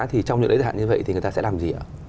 thì trong những lễ giải hạn như vậy thì người ta sẽ làm gì ạ